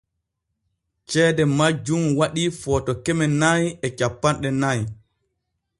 Ceede majjun waɗii Footo keme nay e cappanɗe nay.